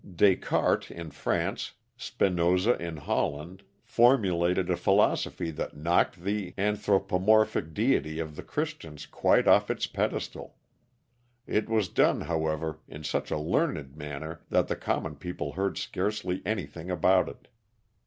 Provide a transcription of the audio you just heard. Descartes in France, Spinoza in Holland, formulated a philosophy that knocked the anthropomorphic deity of the Christians quite off his pedestal; it was done, however, in such a learned manner that the common people heard scarcely anything about it.